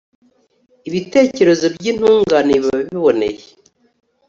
ibitekerezo by'intungane biba biboneye